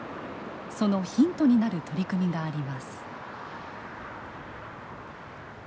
そのヒントになる取り組みがあります。